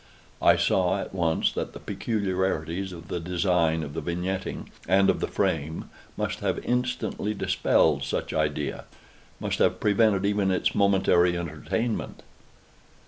I saw at once that the peculiarities of the design, of the vignetting, and of the frame, must have instantly dispelled such idea—must have prevented even its momentary entertainment.